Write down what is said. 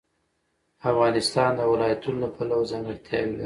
افغانستان د ولایتونو له پلوه ځانګړتیاوې لري.